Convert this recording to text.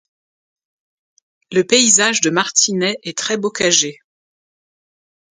Le paysage de Martinet est très bocager.